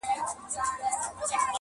• خو تېروتنې بيا تکراريږي ډېر,